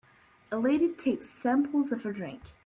A lady takes samples of a drink.